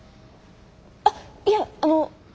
あっいえあの。